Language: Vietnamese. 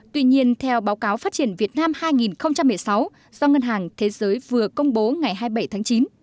tuy nhiên theo báo cáo phát triển việt nam hai nghìn một mươi sáu do ngân hàng thế giới vừa công bố ngày hai mươi bảy tháng chín